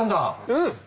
うん！